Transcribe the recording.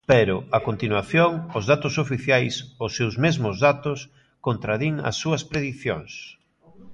Pero, a continuación, os datos oficiais, os seus mesmos datos, contradín as súas predicións.